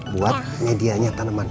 buat medianya tanaman